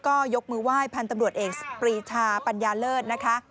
ก็ยกมือไหว้พันธุ์ตำรวจเอกปรีชาปัญญาเลิศนะคะ